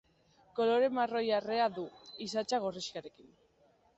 Kolore marroi-arrea du, isatsa gorrixkarekin.